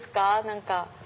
何か。